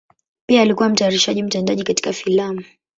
Pia alikuwa mtayarishaji mtendaji katika filamu.